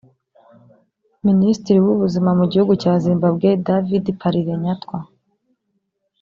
Minisitiri w’Ubuzima mu gihugu cya Zimbabwe David Parirenyatwa